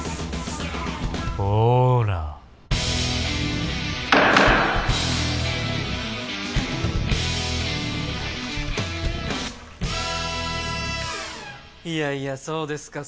ほらいやいやそうですか